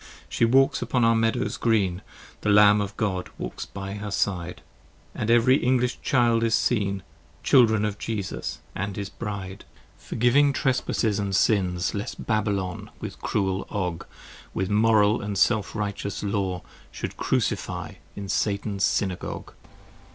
She walks upon our meadows green: 35 The Lamb of God walks by her side: And every English Child is seen, Children of Jesus & his Bride. 28 Forgiving trespasses and sins Lest Babylon with cruel Og, 40 With Moral & Self righteous Law, Should Crucify in Satan's Synagogue!